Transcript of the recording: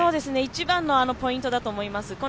一番のポイントだと思います。